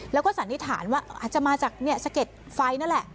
แล้วก็สันนิษฐานว่าอาจจะมาจากสะเก็ดไฟนั่นแหละ